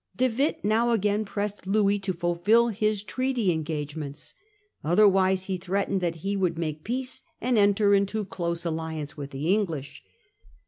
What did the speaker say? De Witt now again pressed Louis to fulfil his treaty engagements. Otherwise he threatened that he would make peace and enter into close alliance with the English.